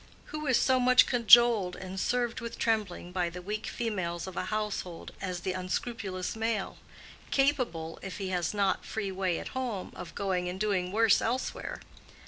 Who is so much cajoled and served with trembling by the weak females of a household as the unscrupulous male—capable, if he has not free way at home, of going and doing worse elsewhere?